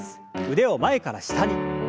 腕を前から下に。